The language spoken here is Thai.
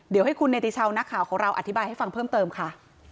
เดี๋ยวให้คุณเนติชาวนักข่าวของเราอธิบายให้ฟังเพิ่มเติมค่ะ